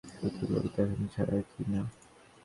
শুধু লোক দেখানো ছাড়া আর কিছু না।